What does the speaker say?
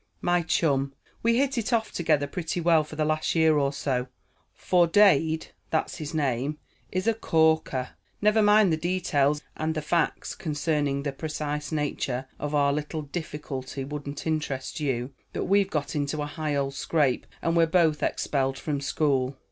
"My chum. We hit it off together pretty well for the last year or so; for Dade that's his name is a corker. Never mind the details, and the facts concerning the precise nature of our little difficulty wouldn't interest you; but we got into a high old scrape, and were both expelled from school.